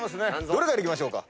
どれからいきましょうか？